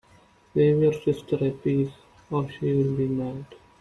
Save you sister a piece, or she will be mad.